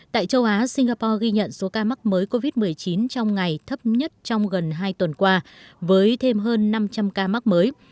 tại châu á singapore ghi nhận số ca mắc mới covid một mươi chín trong ngày thấp nhất trong gần hai tuần qua với thêm hơn năm trăm linh ca mắc mới